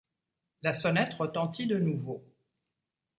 La sonnette retentit de nouveau.